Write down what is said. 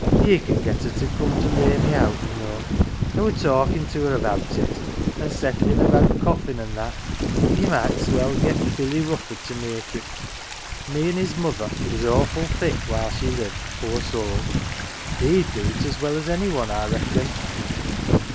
Ye can get her to come to lay me out, ye know I were talkin' to her about it, an' settlin' about coffin an' that. Ye might's well get Billy Ruftbrd to make it me an' his mother was awful thick while she lived, poor soul. He'd do't as well as any one, I reckon."